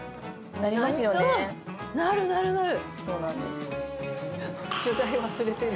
なるなるなる。